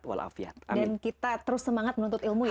dan kita terus semangat menuntut ilmu ya